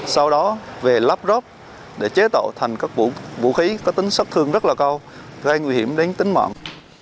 sau đó về lắp rớp để chế tạo thành các vũ khí có tính sắc thương rất là cao gây nguy hiểm đến tính mạng